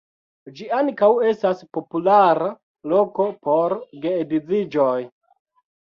Ĝi ankaŭ estas populara loko por geedziĝoj.